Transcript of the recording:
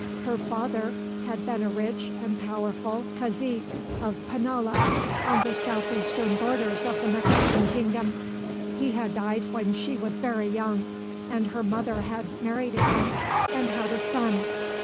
Her father had been a rich and powerful cazique, of Painalla, on the southeastern borders of the Mexican kingdom. He had died when she was very young, and her mother had married again, and had a son.